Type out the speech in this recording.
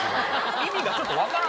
意味がちょっと分からん。